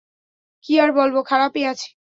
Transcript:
কী আর বলবো, খারাপই আছি।